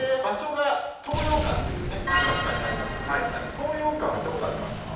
東洋館は行った事ありますか？